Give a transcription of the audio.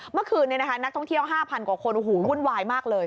เมื่อคืนนี้นะคะนักท่องเที่ยว๕๐๐กว่าคนโอ้โหวุ่นวายมากเลย